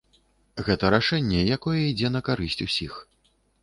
Гэта рашэнне, якое ідзе на карысць усіх.